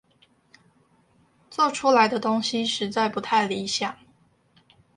做出來的東西實在不太理想